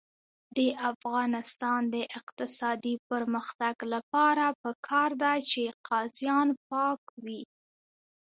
د افغانستان د اقتصادي پرمختګ لپاره پکار ده چې قاضیان پاک وي.